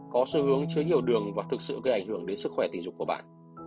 có xu hướng chứa nhiều đường và thực sự gây ảnh hưởng đến sức khỏe tình dục của bạn